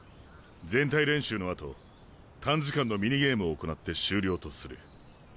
全体練習のあと短時間のミニゲームを行って終了とする。